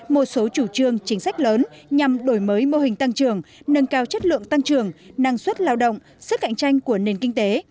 một số chủ trương chính sách lớn nhằm đổi mới mô hình tăng trưởng nâng cao chất lượng tăng trưởng năng suất lao động sức cạnh tranh của nền kinh tế